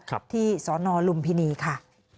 ครับที่สอนอลุมพินีค่ะ